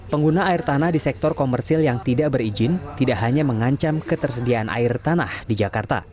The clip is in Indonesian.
pengguna air tanah di sektor komersil yang tidak berizin tidak hanya mengancam ketersediaan air tanah di jakarta